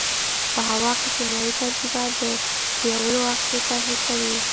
په هوا کې کیمیاوي ترکیبات د بویولو آخذې تحریکوي.